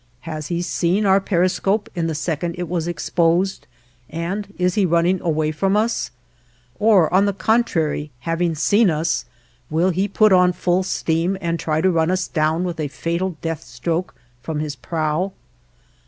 Has he seen our periscope in the second it was exposed, and is he running away from us? Or, on the contrary, having seen us, will he put on full steam and try to run us down with a fatal death stroke from his prow?